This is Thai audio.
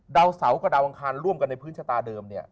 ดาวเสาร์กับดาวอังคารร่วมกันในพื้นชะตาเดิมเนี่ย